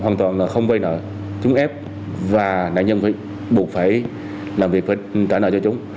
hoàn toàn là không vay nợ chúng ép và nạn nhân phải buộc phải làm việc phải trả nợ cho chúng